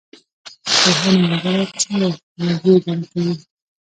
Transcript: پوهنې وزارت څنګه ښوونځي اداره کوي؟